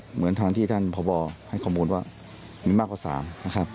เหมือนทางที่ท่านพบให้ข้อมูลว่ามีมากกว่า๓นะครับ